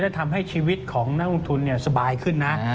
และทำให้ชีวิตของนักลงทุนสบายขึ้นนะ